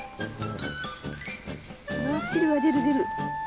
うわあ汁が出る出る！